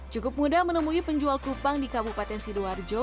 cukup mudah menemui penjual kupang di kabupaten sidoarjo